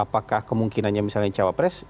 apakah kemungkinannya misalnya capres